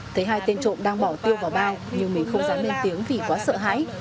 thấy hai tên trộm đang bỏ tiêu vào bao nhưng mình không dám lên tiếng vì quá sợ hãi